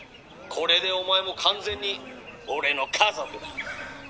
これでお前も完全に俺の家族だ」。